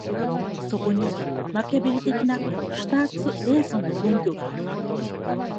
そこにマキァヴェリ的なシュターツ・レーゾンの根拠がある。